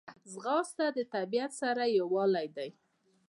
ځغاسته د طبیعت سره یووالی دی